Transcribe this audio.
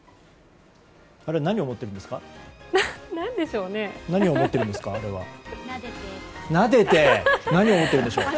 あれは何を思ってるんですか？